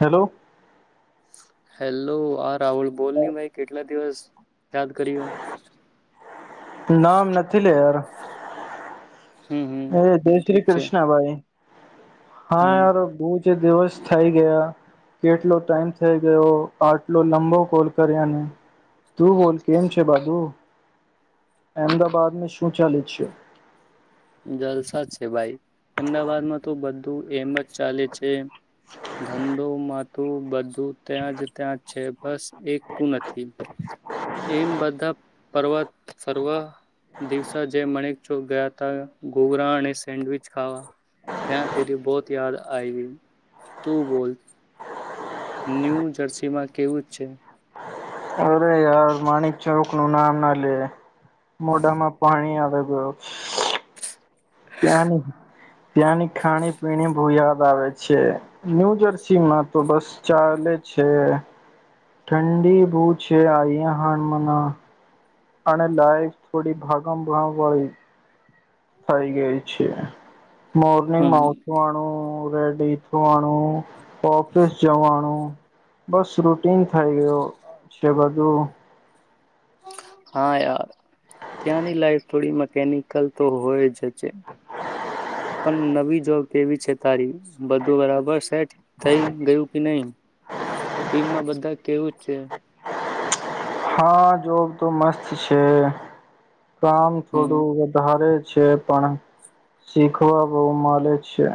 Hello hello આર રાહુલ બોલની ભાઈ કેટલા દિવસ યાદ કર્યો નામ નથી લે યાર હમ હમ હેલો જય ઠીક શ્રી છે કૃષ્ણભાઈ હમ હા યાર બુજ દિવસ થઈ ગયા કેટલો ટાઈમ થઈ ગયો આટલો લંબો કોલ કર્યા ને તું બોલ કેમ છે બાબુ અમદાબાદને શું ચાલે છે જલસા છે ભાઈ અમદાવાદમાં તો બધું એમ જ ચાલે છે ધંધો મા તું બ તું ત્યાં જ ત્યાં છે બસ એક તું નથી એમ બધા પર્વત સર્વ દિવસે જે મણિક ચોક ગયા ગોગરા અને સેન્ડવિચ ખાવા ત્યા તેરી બોત યાદ આઈ ગ તું બોલ ન્યૂ જર્સીમાં કેવું જ છે અરે યાર માણિક ચોક નું નામ ના લેે મોઢામાં પાણી આવે હ ત્યાંની ત્યાંની ખાણી પીણી બહ યાદ આવે છે ન્યુ જર્સીમાં તો બસ ચાલે છે ઠંડી બ છે અ હમના અને લાઈફ થોડી ભાગ ભ વાળી થઈ ગઈ છે હમ મોર્નિંગમાં ઉઠવાનુંું રેડી થવાનુંું ઓફિસ જવાનું બસ રુટીન થઇ ગયો છે બધું હાાર ત્યાંની લાઈફ થોડી મ નિકલ તો હોય જ પણ નવી જોબ કેવી છે તારી બધું બરાબર સે થઈ ગયું નહી ટીમમાં બધા કેવું જ છે હા જોબ તો મસ્ત છે કામ હમ થોડું વધારે છે છે પણ શીખવા બહ મળે છે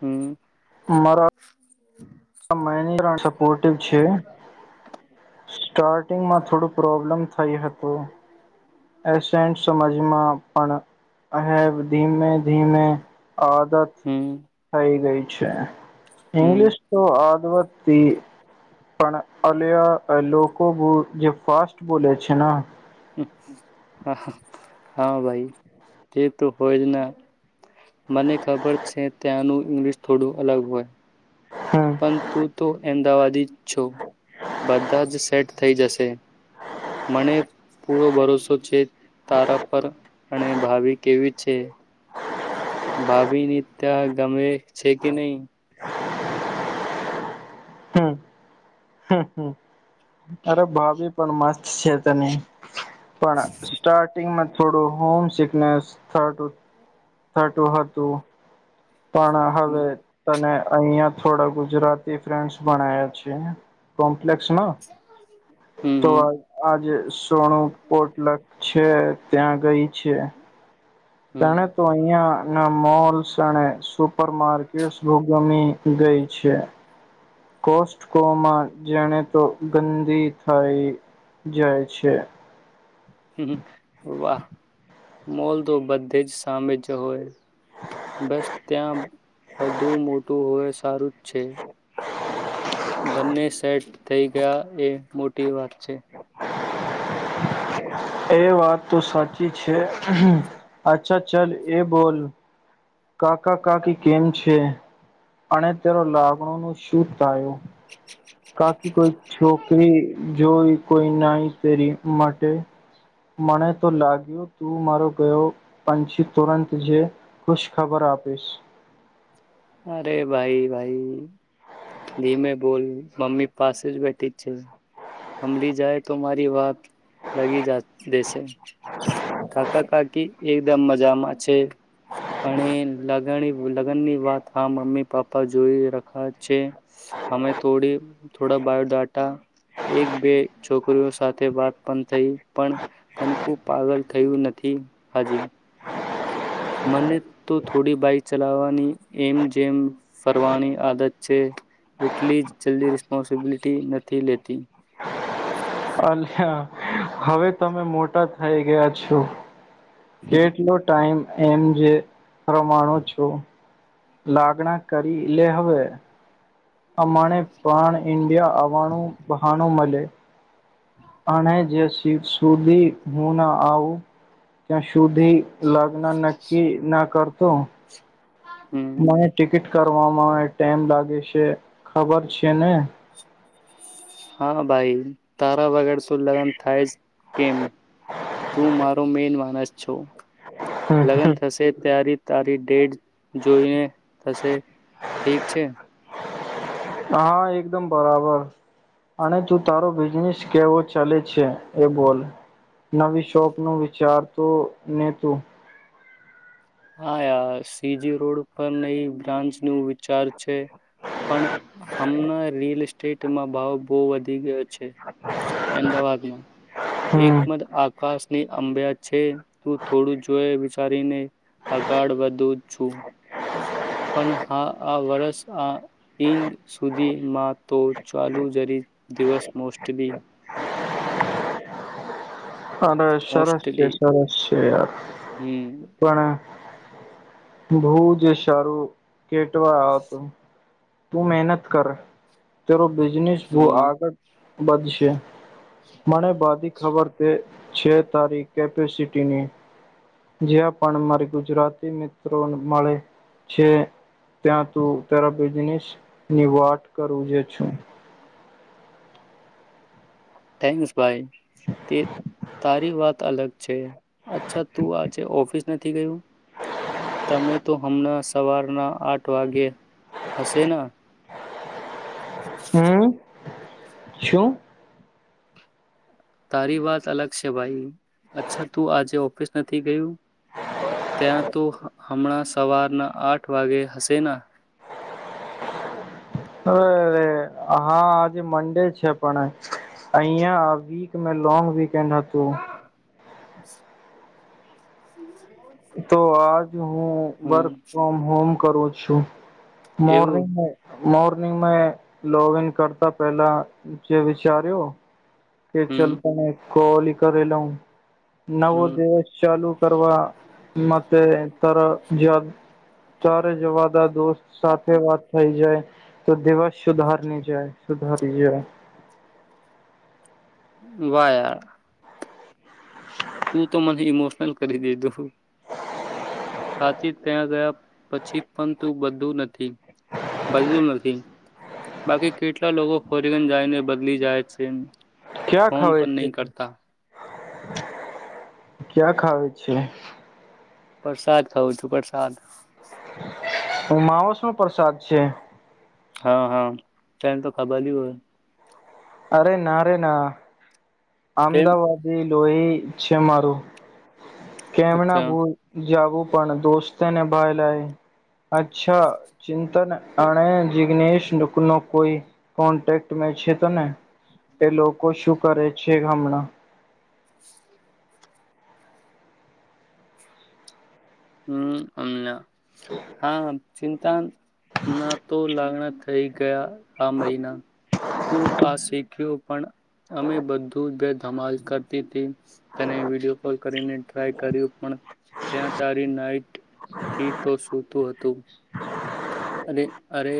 હમ હમ આ મે સપોર્ટિવ છે સ્ટાર્ટ થોડું પ્રોબ્લેમ થઈ હતું. એન્ટ સમજમાં પણહેબ ધીમે ધીમે આદત હમ થઈ ગઈ. અચ્ છે. ઇંગ્લિશ હમ આદમતી પણ અલયા લોકો બુ જે ફાસ્ટ બોલે છે ને હા હા ભાઈ તે તો હોય જ ના મને ખબર છે. ત્યાનું ઇંગ્લિશ થોડું અલગ હોય હમ પણ તું તો અમદાવાદ પ છો બધા જ સેટ થઈ જશે મને પૂરો ભરોસો છે તારા પર અને ભાભિ કેવી છે ભાભી ની ત્યાં ગમે છે કે નહી હમ હમ હમ અરે ભાભી પણ મસ્ત છે તને પણ સ્ટાર્ટિંગ મ થોડું હોમ સિકનેસ થ થતું હતું પણ હવે હમ તને અહિયાં થોડા ગુજરાતી ફ્રેન્ડ્સ ભણયા છે લક્ષ્મ તો હમ આજ સોણું પોટલક છે ત્યાં ગઈ છે હમ તણે તો અહિયાં ના મોલ શણે સુપરમાર્કેટ્સ ભૂગમી ગઈ છે કોસ્ટકોમાં જાણે તો ગંદી થઇ જાય છે હ વાહ મોલ તો બધે જ સામે જ હોય બસ ત્યાં બધું મોટું હોય સારું જ છે બંને સેટ થઈ ગયા એ મોટી વાત છે એ વાત તો સાચી છે અચ્છા ચલ એ બોલ કાકા કાકી કેમ છે અને તેરો લાગણ નું શું થાયું કાકી કોઈ છોકરી જોઈ કોઈ નઈ તેરી માટે મને તો લાગ્યું તું મારો ગયો પંછી તુરંત છે ખુશ ખબર આપીશ અરે ભાઈ ભાઈ ધીમે બોલ મમ્મી પાસે જ બેઠી જ છે હમલીી જાય તો મારી વાત લગી જ દેશે કાકા કાકીકી એકદમ મજામાં છે અને લગન લગ્ન ની વાત હા મમ્મી પાપ્પા જોઈ રખા છે અમે થોડી થોડા બાયોડાાટા એક બે છોકરીઓ સાથે વાત પણ થઈ પણ કનકું પાગલ થયું નથી હાજી મને તો થોડી બાઈક ચલાવવાની એમ જેમ ફરવાની આદત છે એટલી જ જલ્દી રિસ્પોન્સિબિલિટી નથી લેતી અલ્હા હવે તમે મોટા થઇ ગયા છો કેટલો ટાઈમ એમ જે પ્રમાણુ છો લાગણા કરી એટલે હવે અમાણે પ્રણ ઇન્ડિયા આવવાનું બહાનુંું મળે અણ જ શિવ સુુધી હો ના આવ ત્યાં શ સુધી લગ્ન નક્કી ના કરતો હમ મને ટિકિટ કરવામાં એ ટાઈમ લાગે છે ખબર છે ને હા ભાઈ તારા વગર શું લગ્ન થાય જ કેમ તું મારો મેન માણસ છું હમ લગ્ન થશે ત્યારે તારી ડેટ જોઈને થશે ઠીક છે હા એકદમ બરાબર અને તું તારો બિઝનેસ કેવો ચાલે છે એ બોલ નવી શોપ નું વિચારતો ને તું હા યાર શ્રીજી રોડ ઉપર નવી બ્રાન્ચનું વિચાર છે પણ હમણાં રીલ [unintelligible] ભાવ બહુ વધી ગયો છે અમદાવાદમાં હમ એકમદ આકાશ ની અંબ્યા છે તું થોડું જોઈ વિચારીને આગળ વધુ છું પણ હા આ વર્ષ આ [unintelligible] સુધીમાં તો ચાલુ જરી દિવસ મોસ્ટલી અરે સરસ છે મોસ્ટલી સરસ છે યાર હમ પણે ભહુજ સારું કેટવા [unintelligible] હતો તું મહેનત કર જરુ બિજનેસ બહુ હમ આગળ વધશે મને બધી ખબર તે છે તારી કેપેસિટીની જ્યાં પણ મારી ગુજરાતી મિત્રોને મળે છે ત્યાં તું તરા બિઝનેસ ની વાત કરું જે છે થેન્કસ [unintelligible] તારી વાત અલગ છે અચ્છા તું આજે ઓફિસ નથી ગયું તમે તો હમણાં સવારના આઠ વાગે હશેના હમ શું. તારી વાત અલગ છે ભાઈ અચ્છા તું આજે ઓફિસ નથી ગયું ત્યાં તો હમણાં સવારના આઠ વાગે હશે ના અરે હા આજે મન્ડે છે પણ અહીંયા વીક મે લોંગ વીકેન્ડ હતું તો આજ હું હમ વર્ક ફ્રોમ હોમ કરું છું એવું મોર્નિંગ [unintelligible] મોર્નિંગં મે લોગઈન કરતા પેલા જે વિચાર્યો કે હમ [unintelligible] કોલી કરી લઉ નવો હમ દિવસ ચાલુ કરવા માટે તરા જેવા [unintelligible] દોસ્ત સાથે વાત થઈ જાય તો દિવસ સુધારની જાય સુધારી જાય વા યાર તું તો મને ઇમોશનલ કરી દીધું સાચી ત્યાં ગયા પછી પણ તું બધું નથી બલું નથી બાકી કેટલા લોકો ફોરીગન જાયને બદલી જાય છે ક્યા ફોન ખાવે પણ છે નહીં કરતા ક્યા ખાવ છે પરસાદ ખઉં છું પરસાદ અમાવસ નો પ્રસાદ છે હા હા તને તો ખબરલી હોય અરે ના અરે ના કેમ અમદાવાદી લોહી છે મારું કેમના અચ્છા બોલ જાવું પણ દોસ્તને ભાઈ લાય અચ્છા ચિંતન અને જિગ્નેનેશ લોકો નો કોઈ કોન્ટેક્ટ મે છે તો ને એ લોકો શું કરે [unintelligible] હમણા હમ અમ હા ચિંતના તો લાગણા થઈ ગયા આ મહિના તું આ શીખ્યું પણ અમે બધું બે ધમાલ કરતી તેને વિડીયો કોલ કરીને ટ્રાય કર્યું પણ ત્યા તારી નાઈટ થી તો સૂતું હતું અરે અરે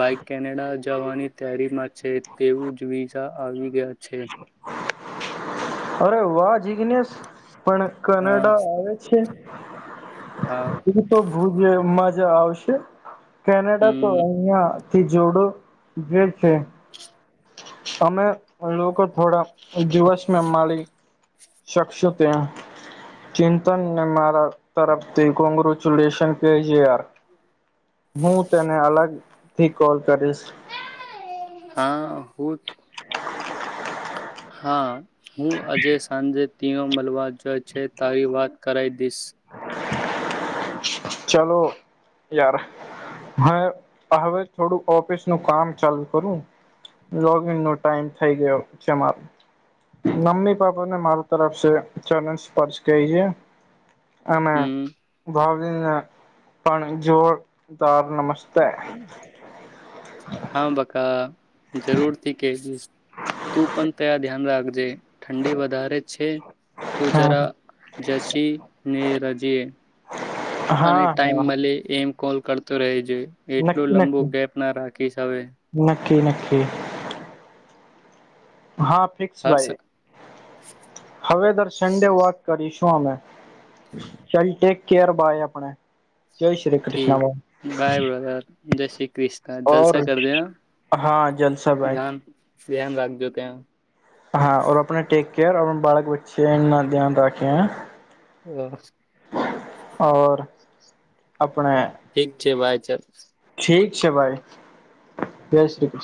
ભાઈક કેનેડા જવાની તૈયારીમાં છે તેવું જ વિઝા આવી ગયા છે અરે વાહ જીગ્નેનેશ પણ હા કનાડા આવે છે હા એ તો ભુજમાં જ આવશે કેનેડા તો હમ અહીયા થી જોડો જે છે અમે લોકો થોડા દિવસમાં મળી શકશો ત્યા ચિંતનને મારા તરફથી કોંગ્રચ્યુલેશન કેજે [inaudible] હું તેને અલગ થી કોલ કરીશ હા હું તો [inaudible] હા હું આજે સાંજે તીનો મલબ જે છે તારી વાત કરાય. દીસ ચલો યાર હ હવે થોડું ઓફિસ નું કામ ચાલુ કરુંન નો ટાઈમ થઈ ગયો છે મમ્મી પાપાને માર તરફ ચરન સ્પર્શ છે. અને હમ ભાવે પણ જોરદાર. નમસ્તે હા બકા. જરૂરથી કે [unintelligible] તું પણ તયા ધ્યાન રા જે ઠંડી વધારે જ છે. તો હા જરા જસી. નેરાજીએ. અને હા ટાઈમ હા મલે એમ કોલ કરતો રેહજે. એટલું નક્કી લંબુ નક્કી ગેપના રાખીશ હવે. નક્કી નક્કી. હા, ફિક્સ હર્ષ ભાઈ હવે દર સન્ડે વા કરીશું અમે. ચલ ઠીક કેરબાાય આપણે. જય શ્રી કૃષ્ણભાઈ. જે શી ક ક્રિષ્ણા જલસા કરજે હા હા જલસા ભાઈ ધ્યાન ધ્યાન રાખજો ત્યાં. ક્યા બાળક વચ્ચે ધ્યાન રાખે હ. [unintelligible] ઓર. આપણે ઠીક છે ભાઈ. [unintelligible] ઠીક છે ભાઈ, જય શ્રી કૃષ્ણ.